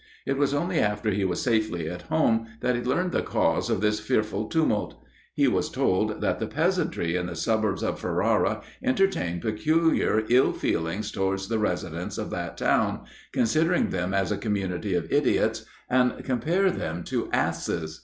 It was only after he was safely at home, that he learned the cause of this fearful tumult. He was told that the peasantry in the suburbs of Ferrara entertain peculiar ill feelings towards the residents of that town considering them as a community of idiots, and compare them to asses.